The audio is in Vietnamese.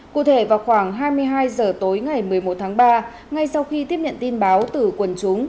cụ thể vào khoảng hai mươi hai h tối ngày một mươi một tháng ba ngay sau khi tiếp nhận tin báo từ quần chúng